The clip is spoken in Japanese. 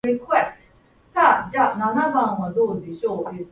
比叡山や東山をはじめ、西山、北山の一帯が見渡せる